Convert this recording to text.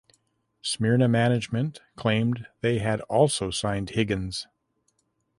Smyrna management claimed they had also signed Higgins.